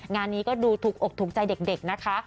งานนี้ก็ดูถูกอกถูกใจเด็กนะคะ